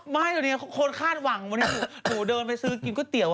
ไม่ว่าณี้โคตรคาดหวังว่าที่ผมเดินไปซื้อกินก๋วยเตี๋ยว